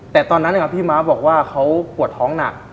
แต่ตอนนั้นพี่ม้าบอกว่าเขาปวดท้องหนัก